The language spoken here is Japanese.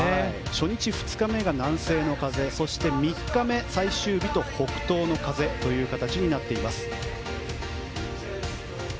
初日、２日目が南西の風そして３日目、最終日と北東の風となっています。